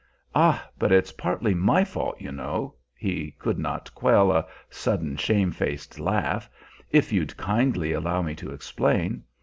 "Ah, but it's partly my fault, you know" he could not quell a sudden shamefaced laugh, "if you'd kindly allow me to explain.